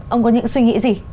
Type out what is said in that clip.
ông có những suy nghĩ gì